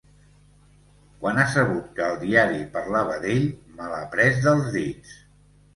Quan ha sabut que el diari parlava d'ell, me l'ha pres dels dits.